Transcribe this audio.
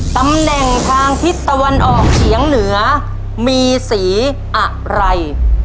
ตำแหน่งทางทิศตะวันออกเฉียงเหนือมีสีอะไร